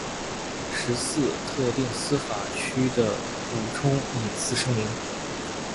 十四、特定司法辖区的补充隐私声明